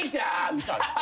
みたいな。